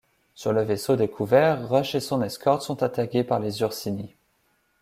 Sur le vaisseau découvert, Rush et son escorte sont attaqués par les Ursinis.